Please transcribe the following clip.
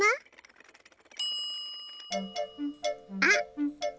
あっ！